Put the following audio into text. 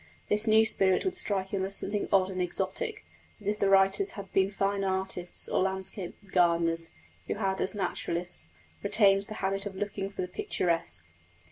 This new spirit would strike him as something odd and exotic, as if the writers had been first artists or landscape gardeners, who had, as naturalists, retained the habit of looking for the picturesque.